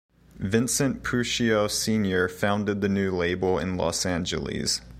Vincent Puccio Senior founded the new label in Los Angeles.